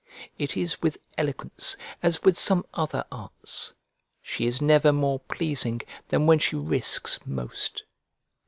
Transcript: It is with eloquence as with some other arts; she is never more pleasing than when she risks most.